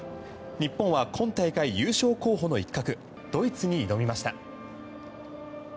日本は今大会優勝候補の一角ドイツに挑みました。